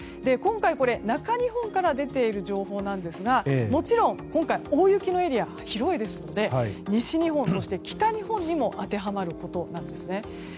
今回中日本から出ている情報ですがもちろん今回大雪のエリアが広いですので西日本、北日本にも当てはまることなんですね。